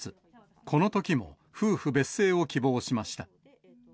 このときも夫婦別姓を希望しました。